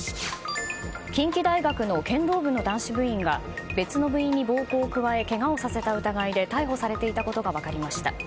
近畿大学の剣道部の男子部員が別の部員に暴行を加えけがをさせた疑いで逮捕されていたことが分かりました。